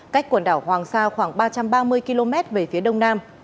cách quần đảo hoàng sa khoảng ba trăm ba mươi km về phía đông nam